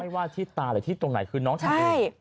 ว่าที่ตาหรือที่ตรงไหนคือน้องทำเอง